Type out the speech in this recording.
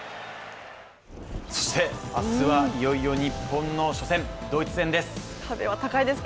そして、明日はいよいよ日本の初戦ドイツ戦です。